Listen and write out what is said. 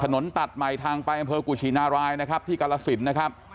ถนนตัดใหม่ทางไปอำเภอกุชินารายนะครับที่กรสินนะครับ